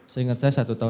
seingat saya satu tahun